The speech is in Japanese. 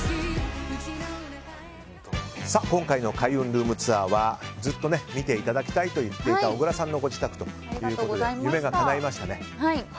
ルームツアー！はずっと見ていただきたいと言っていた小倉さんのご自宅ということで夢がかないましたね。